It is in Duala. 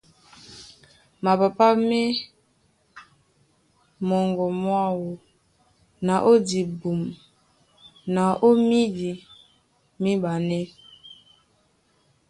Mapapá ma e mɔŋgɔ mwáō na ó dibum na ó mídi míɓanɛ́.